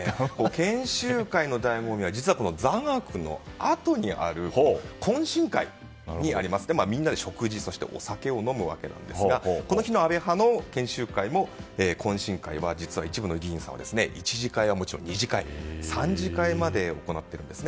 研修会の醍醐味は実は座学のあとにある懇親会にありましてみんなで食事、そしてお酒を飲むわけですがこの日の安倍派の研修会も懇親会は、実は一部の議員さんは１次会はもちろん２次会、３次会まで行っているんです。